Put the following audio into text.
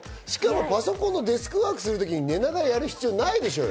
パソコンのデスクワークする時に寝ながらやる必要ないでしょうよ。